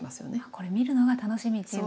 これ見るのが楽しみっていうのもね。